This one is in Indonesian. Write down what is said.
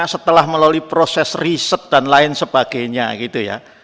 setelah melalui proses riset dan lain sebagainya